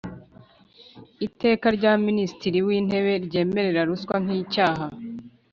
Iteka rya Minisitiri w Intebe ryemerera ruswa nk icyaha